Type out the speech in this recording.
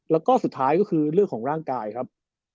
แล้วก็สุดท้ายก็คือเรื่องของร่างกายครับ